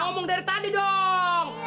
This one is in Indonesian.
ngomong dari tadi dong